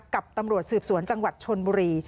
กับตำรวจสืบสวนจังหวัดชนบุรี